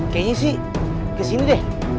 kayanya sih kesini deh